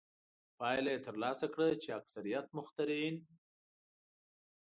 پایله یې ترلاسه کړه چې اکثریت مخترعین.